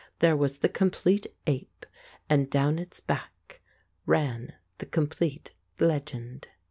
There was the complete ape, and down its back ran the complete legend.